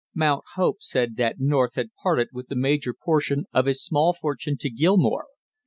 Mount Hope said that North had parted with the major portion of his small fortune to Gilmore.